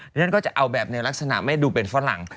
เรื่องนั้นก็จะเอาในลักษณะดูเป็นฝรั่ง